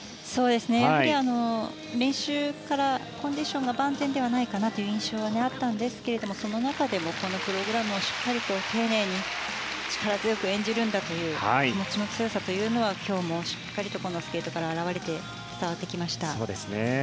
やはり、練習からコンディションが万全ではない印象はあったんですがその中でもこのプログラムをしっかり丁寧に力強く演じるんだという気持ちの強さは今日もしっかりとスケートから表れて伝わってきました。